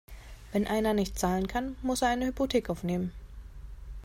Wenn einer nicht zahlen kann, muss er eine Hypothek aufnehmen.